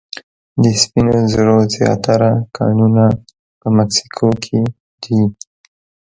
د سپینو زرو زیاتره کانونه په مکسیکو کې دي.